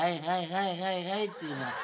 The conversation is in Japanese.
はいはいはいっていうのは。